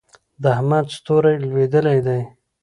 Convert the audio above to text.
د احمد ستوری لوېدلی دی.